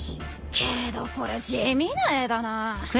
けどこれ地味な絵だな。